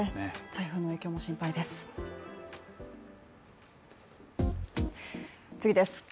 台風の影響も心配です。